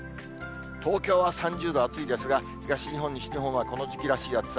東京は３０度、暑いですが、東日本、西日本はこの時期らしい暑さ。